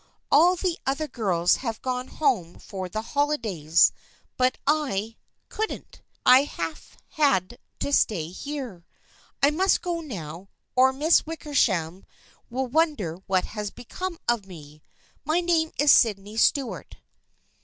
All the other girls have gone home for the holidays but I — couldn't. I have had to stay here. I must go now, or the Miss Wickershams will wonder what has become of me. My name is Sydney Stuart."